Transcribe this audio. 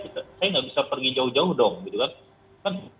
saya nggak bisa pergi jauh jauh dong gitu kan